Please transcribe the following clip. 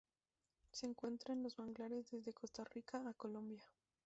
Se encuentra en los manglares desde Costa Rica a Colombia.